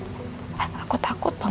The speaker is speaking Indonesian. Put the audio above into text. sebelum kamu datang